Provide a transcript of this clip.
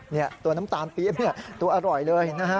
นี่ตัวน้ำตาลปี๊บตัวอร่อยเลย